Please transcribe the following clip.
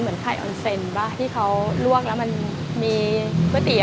หมูซับลูกชิ้น